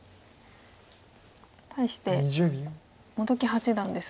対して本木八段ですが。